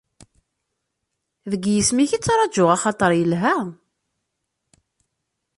Deg yisem-ik i ttraǧuɣ axaṭer ilha.